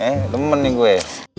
eh temen nih gue